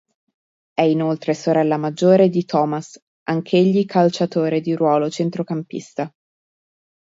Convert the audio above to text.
È inoltre sorella maggiore di Thomas, anch'egli calciatore di ruolo centrocampista.